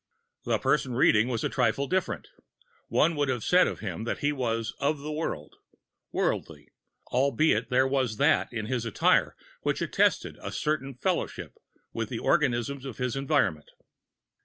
The person reading was a trifle different; one would have said of him that he was of the world, worldly, albeit there was that in his attire which attested a certain fellowship with the organisms of his environment.